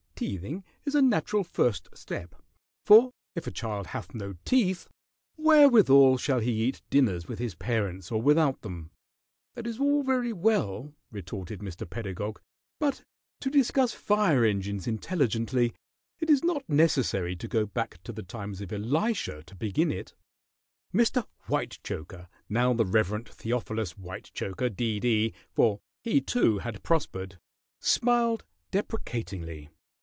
Teething is a natural first step, for if a child hath no teeth, wherewithal shall he eat dinners with his parents or without them?" "That is all very well," retorted Mr. Pedagog, "but to discuss fire engines intelligently it is not necessary to go back to the times of Elisha to begin it." Mr. Whitechoker now the Rev. Theophilus Whitechoker, D.D., for he, too, had prospered smiled deprecatingly.